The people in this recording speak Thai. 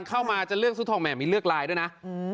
เข้ามาจะเลือกซื้อทองแห่มีเลือกลายด้วยนะ